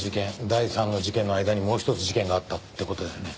第三の事件の間にもう一つ事件があったって事だよね。